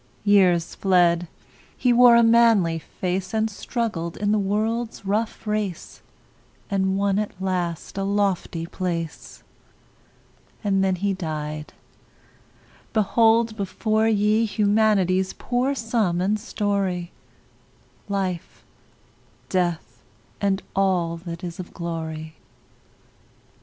Years fled; he wore a manly face, And struggled in the world's rough race, And won at last a lofty place. And then he died! Behold before ye Humanity's poor sum and story; Life, Death, and all that is of glory.